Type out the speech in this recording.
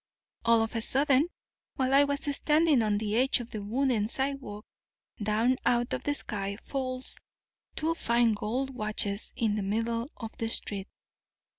"All of a sudden, while I was standing on the edge of the wooden sidewalk, down out of the sky falls two fine gold watches in the middle of the street.